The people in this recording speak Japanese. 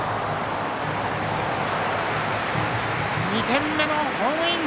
２点目のホームイン。